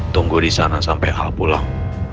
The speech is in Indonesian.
tunggu di sana sampai hal pulang